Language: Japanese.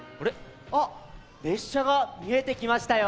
あっれっしゃがみえてきましたよ。